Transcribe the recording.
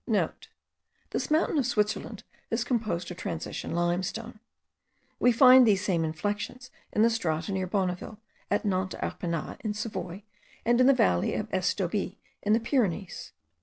(* This mountain of Switzerland is composed of transition limestone. We find these same inflexions in the strata near Bonneville, at Nante d'Arpenas in Savoy, and in the valley of Estaubee in the Pyrenees.